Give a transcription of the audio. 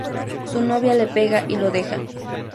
Su novia le pega y lo deja.